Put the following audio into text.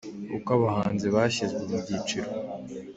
Uko abahanzi bashyizwe mu byiciro